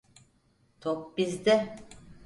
Top bizde.